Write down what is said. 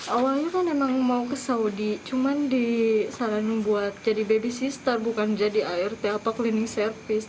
awalnya kan memang mau ke saudi cuman disaranu buat jadi baby sister bukan jadi art apa cleaning service